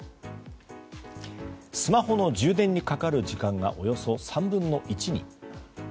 スマホの充電にかかる時間がおよそ３分の１に。